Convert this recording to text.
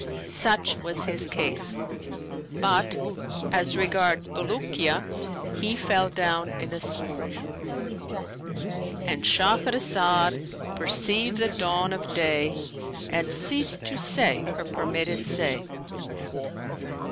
Such was his case; but as regards Bulukiya he fell down in a swoon."— And Shahrazad perceived the dawn of day and ceased to say her permitted say.